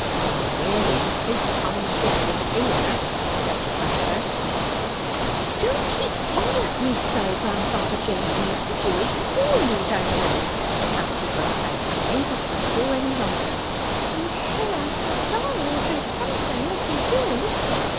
"Well, really 'tis time Dick was here," said the tranter. "Don't keep on at me so, grandfather James and Mr. Dewy, and all you down there!" Fancy broke out, unable to endure any longer. "I am sure I shall die, or do something, if you do!"